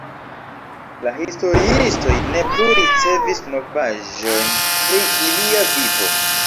La historiistoj ne plu ricevis novaĵojn pri ilia vivo.